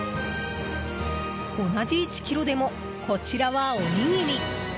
同じ１ｋｇでもこちらはおにぎり。